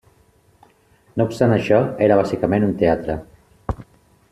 No obstant això, era, bàsicament, un teatre.